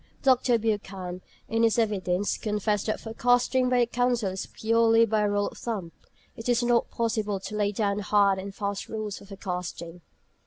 Dr. Buchan, in his evidence, confessed that forecasting by the Council is purely "by rule of thumb." It is not possible to lay down hard and fast rules for forecasting.